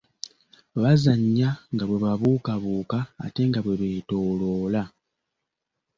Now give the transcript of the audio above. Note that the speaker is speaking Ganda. Bazannya nga bwe babuukabuuka ate nga bwe beetooloola.